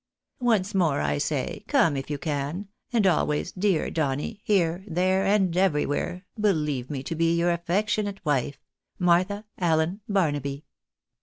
Once more I say, come if you can ; and always, dear Donny, here, there, and everywhere, believe me to be your affectionate wife, " Martha Allen Baenaby."